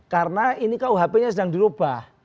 karena ini kuhp nya sedang dirubah